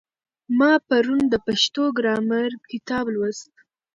ما پرون د پښتو ګرامر کتاب لوست.